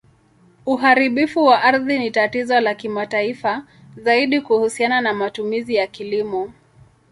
Uharibifu wa ardhi ni tatizo la kimataifa, zaidi kuhusiana na matumizi ya kilimo.